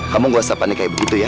kamu gak usah panik kayak begitu ya